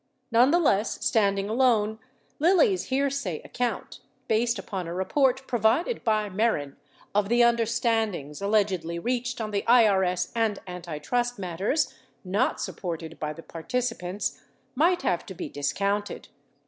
Nonetheless, standing alone, Lilly's hearsay account, based upon a report provided by Mehren, of the under standings allegedly reached on the IRS and antitrust matters — not supported by the participants — might have to be discounted.